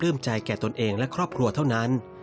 ใจแก่ตนเองและครอบครัวเท่านั้น